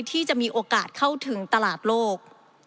ที่จะมีโอกาสเข้าถึงตลาดโลก